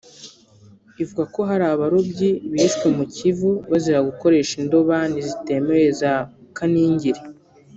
ivuga ko hari abarobyi bishwe mu Kivu bazira gukoresha indobani zitemewe za kaningiri